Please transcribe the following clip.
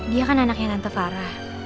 dia kan anaknya tante farah